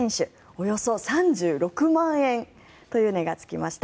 およそ３６万円という値がつきました。